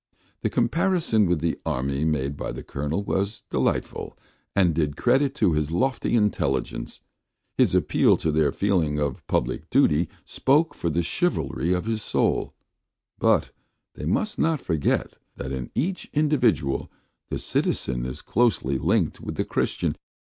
The comparison with the army made by the Colonel was delightful, and did credit to his lofty intelligence; his appeal to their feeling of public duty spoke for the chivalry of his soul, but they must not forget that in each individual the citizen is closely linked with the Christian.